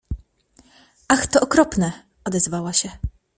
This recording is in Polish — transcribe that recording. — Ach, to okropne! — odezwała się.